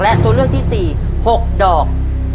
และตัวเลือกที่๔๖ดอก